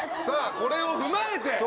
さあこれを踏まえて。